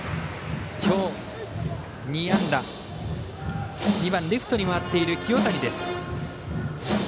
今日、２安打２番レフトに回っている清谷です。